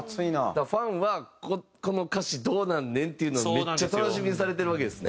だからファンはこの歌詞どうなんねんっていうのをめっちゃ楽しみにされてるわけですね。